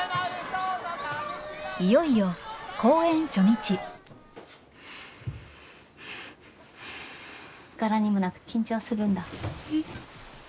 いよいよ公演初日柄にもなく緊張するんだ。え。